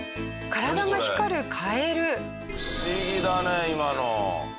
不思議だね今の。